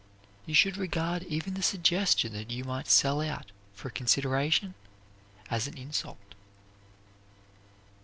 You should regard even the suggestion that you might sell out for a consideration as an insult.